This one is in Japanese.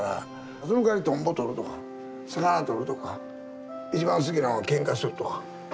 そのかわりトンボ捕るとか魚取るとか一番好きなのはけんかするとか。